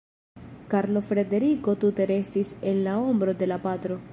Karlo Frederiko tute restis en la ombro de la patro.